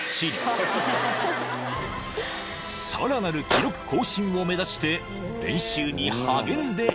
［さらなる記録更新を目指して練習に励んでいるそう］